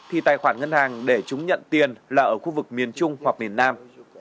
thì tài khoản ngân hàng để chúng nhận tiền là ở khu vực miền trung hoặc miền nam